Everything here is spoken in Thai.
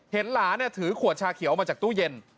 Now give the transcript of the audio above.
เห็นหลานถือขวดชาเขียวมาจากตู้เย็น